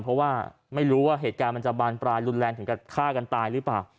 เพราะว่าไม่รู้ว่าเหตุการณ์มันจะบานปลายรุนแรงถึงกับฆ่ากันตายหรือเปล่า